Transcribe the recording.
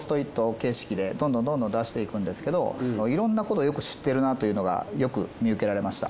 形式でどんどんどんどん出していくんですけどいろんなことをよく知ってるなというのがよく見受けられました。